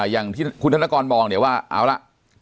อย่างที่คุณธนกรมองเนี่ยว่าเอาล่ะ